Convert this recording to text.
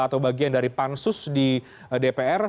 atau bagian dari pansus di dpr